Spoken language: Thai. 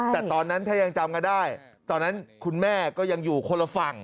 แต่ตอนนั้นถ้ายังจำกันได้ตอนนั้นคุณแม่ก็ยังอยู่คนละฝั่ง